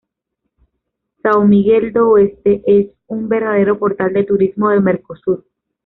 São Miguel do Oeste es un verdadero portal de turismo del Mercosur.